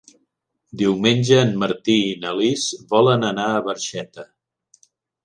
Diumenge en Martí i na Lis volen anar a Barxeta.